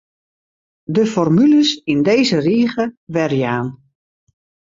De formules yn dizze rige werjaan.